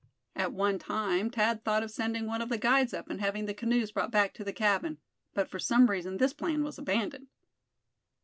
At one time Thad thought of sending one of the guides up and having the canoes brought back to the cabin; but for some reason this plan was abandoned.